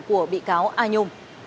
của bị cáo a nhung